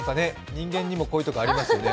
人間にもこういうところありますよね。